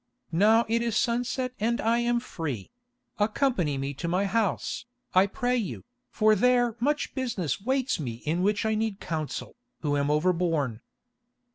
"Now it is sunset and I am free; accompany me to my house, I pray you, for there much business waits me in which I need counsel, who am overborne."